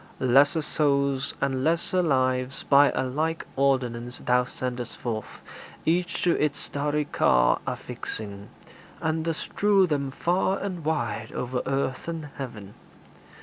Lesser souls And lesser lives by a like ordinance Thou sendest forth, each to its starry car Affixing, and dost strew them far and wide O'er earth and heaven.